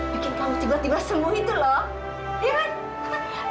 bikin kamu tiba tiba sembuh itu loh